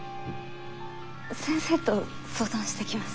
先生と相談してきます。